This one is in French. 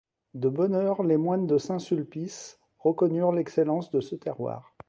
De bonne heure les moines de Saint-Sulpice reconnurent l'excellence de ce terroir.